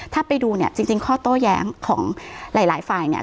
ถ้าไปดูเนี่ยจริงข้อโต้แย้งของหลายหลายฝ่ายเนี่ย